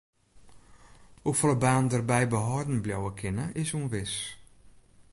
Hoefolle banen dêrby behâlden bliuwe kinne is ûnwis.